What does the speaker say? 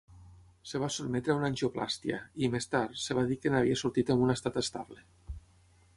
Es va sotmetre a una angioplàstia i, més tard, es va dir que n'havia sortit amb un estat estable.